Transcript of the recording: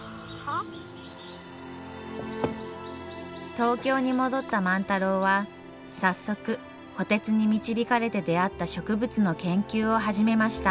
東京に戻った万太郎は早速虎鉄に導かれて出会った植物の研究を始めました。